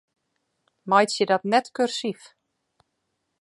Meitsje dat net kursyf.